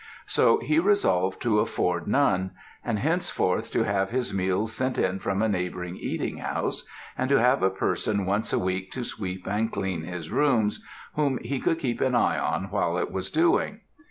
So he resolved to afford none; and henceforth to have his meals sent in from a neighbouring eating house, and to have a person once a week to sweep and clean his rooms, whom he could keep an eye on while it was doing.